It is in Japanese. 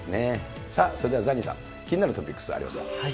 それではザニーさん、気になるトピックスありますか。